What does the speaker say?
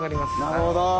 なるほど。